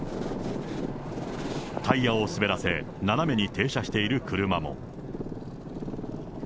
タイヤを滑らせ、斜めに停車している車も。